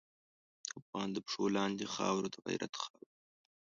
د افغان د پښو لاندې خاوره د غیرت خاوره ده.